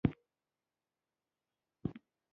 زما پسه د سمارټ فون سره سیلفي کوي.